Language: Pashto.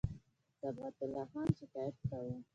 صبغت الله خان شکایت کاوه.